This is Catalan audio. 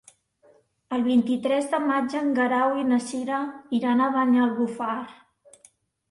El vint-i-tres de maig en Guerau i na Cira iran a Banyalbufar.